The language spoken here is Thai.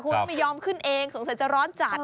คุณก็ไม่ยอมขึ้นเองสงสัยจะร้อนจัด